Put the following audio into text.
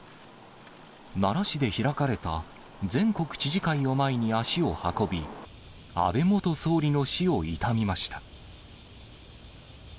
奈良市で開かれた全国知事会を前に足を運び、安倍元総理の死を悼みました。